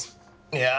いや